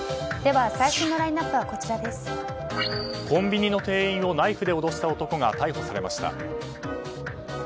コンビニの店員をナイフで脅した男が逮捕されました。